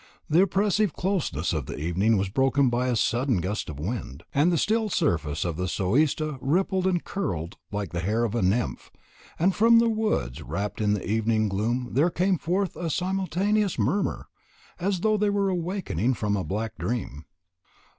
The oppressive closeness of the evening was broken by a sudden gust of wind, and the still surface of the Suista rippled and curled like the hair of a nymph, and from the woods wrapt in the evening gloom there came forth a simultaneous murmur, as though they were awakening from a black dream.